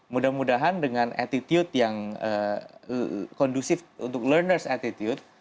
mudah mudahan dengan attitude yang kondusif untuk learners attitude